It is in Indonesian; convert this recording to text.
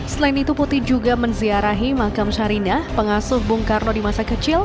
selain itu putih juga menziarahi makam syarinah pengasuh bung karno di masa kecil